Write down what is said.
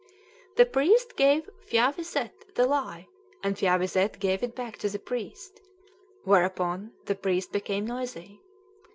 The priest gave Phya Wiset the lie, and Phya Wiset gave it back to the priest, whereupon the priest became noisy.